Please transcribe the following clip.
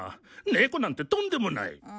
猫なんてとんでもない。